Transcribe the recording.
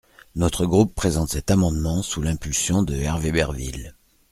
Notre groupe présente cet amendement sous l’impulsion de Hervé Berville.